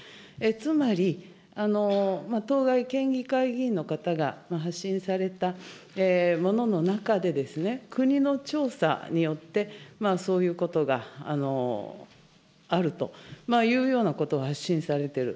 つまり、当該県議会議員の方が発信されたものの中で、国の調査によって、そういうことがあるというようなことを発信されてる。